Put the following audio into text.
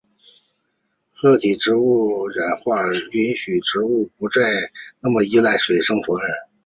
裸子植物的演化允许植物不再那么依赖水生存。